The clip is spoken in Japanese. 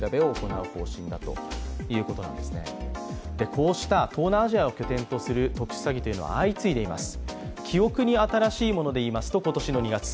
こうした東南アジアを拠点とする特殊詐欺は相次いでいます。